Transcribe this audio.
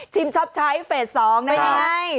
ชิมชอบใช้เฟส๒ได้ไง